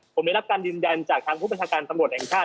ผมได้รับการยืนยันจากทางผู้บัญชาการตำรวจแห่งชาติ